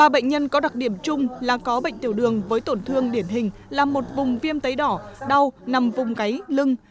ba bệnh nhân có đặc điểm chung là có bệnh tiểu đường với tổn thương điển hình là một vùng viêm tấy đỏ đau nằm vùng gáy lưng